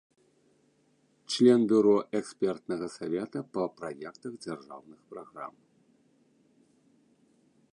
Член бюро экспертнага савета па праектах дзяржаўных праграм.